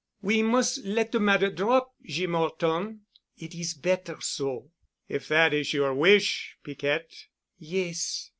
We mus' let de matter drop, Jeem 'Orton. It is better so." "If that is your wish, Piquette——" "Yes.